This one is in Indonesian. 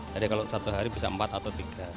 jadi kalau satu hari bisa empat atau tiga